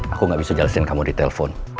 aku gak bisa jelasin kamu di telpon